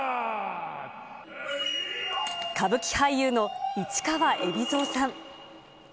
歌舞伎俳優の市川海老蔵さん。